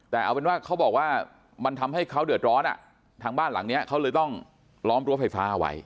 แต่เอาเป็นว่าเขาบอกว่ามันทำให้เขาเดือดร้อนทางบ้านหลังนี้เขาเลยต้องล้อมรั้วไฟฟ้าเอาไว้